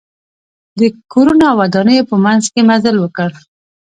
د کورونو او ودانیو په منځ کې مزل وکړ.